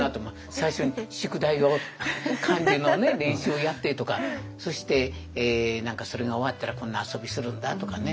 最初に宿題を漢字のね練習をやってとかそして何かそれが終わったらこんな遊びするんだとかね。